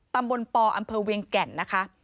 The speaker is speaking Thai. ตำบลปอำเภอเวียงแก่นนะคะ